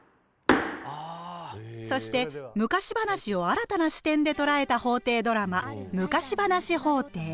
そして昔話を新たな視点で捉えた法廷ドラマ「昔話法廷」。